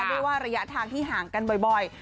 ด้วยว่าระยะทางที่ห่างกันบ่อย